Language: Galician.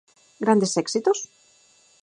Grandes éxitos?